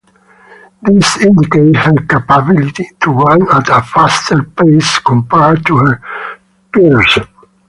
This indicates her capability to run at a faster pace compared to her peers.